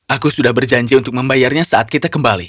aku sudah berjanji untuk membayarnya saat kita kembali